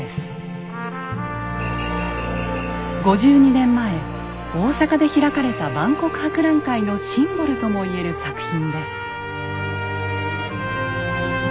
５２年前大阪で開かれた万国博覧会のシンボルとも言える作品です。